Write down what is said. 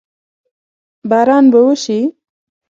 باران به وشي؟